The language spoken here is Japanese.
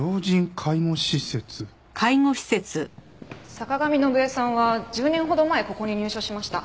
坂上信枝さんは１０年ほど前ここに入所しました。